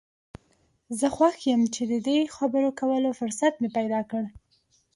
زه خوښ یم چې د دې خبرو کولو فرصت مې پیدا کړ.